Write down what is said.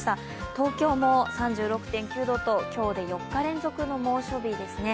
東京も３６．９度と今日で４日連続の猛暑日ですね。